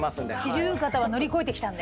四十肩は乗り越えてきたんで。